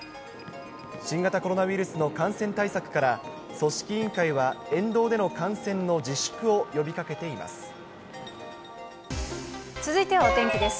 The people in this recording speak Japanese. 新型コロナウイルスの感染対策から組織委員会は、沿道での観戦の自粛を呼びかけています。